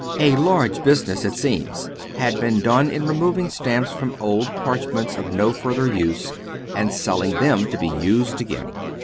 A large business, it seems, had been done in removing stamps from old parchments of no further use, and selling them to be used again.